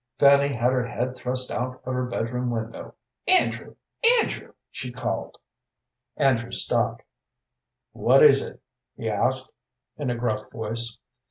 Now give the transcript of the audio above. Fanny had her head thrust out of her bedroom window. "Andrew! Andrew!" she called. Andrew stopped. "What is it?" he asked, in a gruff voice.